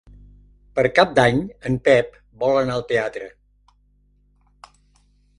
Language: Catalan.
Per Cap d'Any en Pep vol anar al teatre.